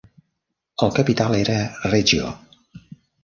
El capital era Reggio.